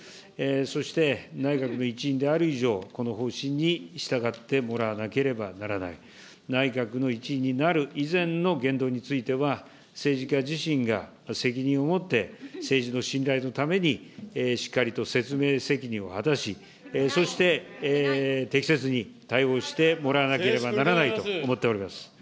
そして内閣の一員である以上、この方針に従ってもらわなければならない、内閣の一員になる以前の言動については、政治家自身が、責任を持って政治の信頼のためにしっかりと説明責任を果たし、そして、適切に対応してもらわなければならないと思っております。